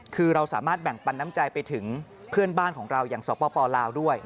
คือเราสามารถแบ่งปันน้ำใจไปถึงเพื่อนบ้านของเราอย่างสปลาวด้วย